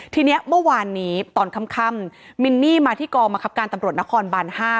ทีนี้เมื่อวานนี้ตอนค่ำมินนี่มาที่กองบังคับการตำรวจนครบาน๕